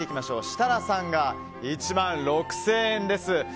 設楽さんが１万６０００円です。